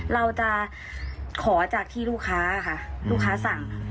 เราจะขอจากที่ลูกค้าค่ะลูกค้าสั่ง